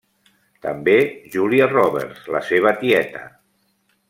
També Júlia Roberts, la seva tieta.